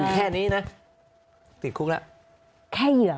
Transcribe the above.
แค่นี้นะติดคุกแล้ว